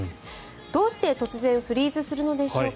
どうして突然フリーズするのでしょうか。